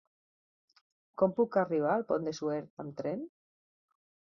Com puc arribar al Pont de Suert amb tren?